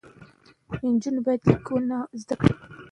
که نجونې لیکنه وکړي نو نظر به نه وي ورک.